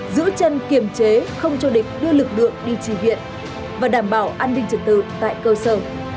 giữ chân kiềm chế không cho địch đưa lực lượng đi trì viện và đảm bảo an ninh trật tự tại cơ sở